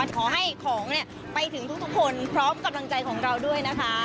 ขอให้ของไปถึงทุกคนพร้อมกำลังใจของเราด้วยนะคะ